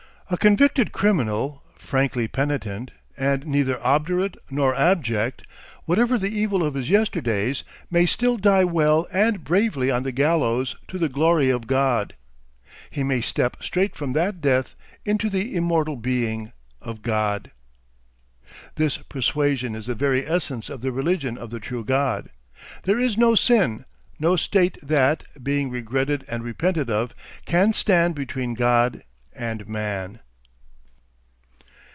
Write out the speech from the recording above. A convicted criminal, frankly penitent, and neither obdurate nor abject, whatever the evil of his yesterdays, may still die well and bravely on the gallows to the glory of God. He may step straight from that death into the immortal being of God. This persuasion is the very essence of the religion of the true God. There is no sin, no state that, being regretted and repented of, can stand between God and man.